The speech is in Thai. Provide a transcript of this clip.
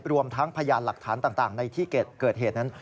รวมทั้งพยานหลักฐานต่างในที่เกิดเหตุนั้น